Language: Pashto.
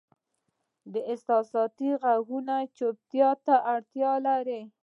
د احساساتو ږغ چوپتیا ته اړتیا لري.